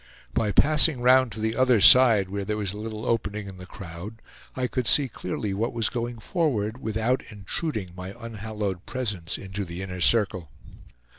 By passing round to the other side, where there was a little opening in the crowd, I could see clearly what was going forward, without intruding my unhallowed presence into the inner circle.